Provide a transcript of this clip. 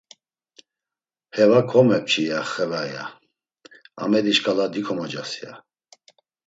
Heva komepçi, ya; Xeva, ya; Amedi şǩala dikomocas, ya.